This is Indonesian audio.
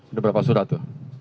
ada berapa surat itu